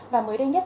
và mới đây nhất